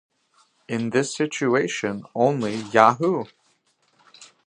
In this situation, only Yahoo!